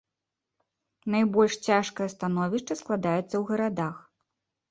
Найбольш цяжкае становішча складаецца ў гарадах.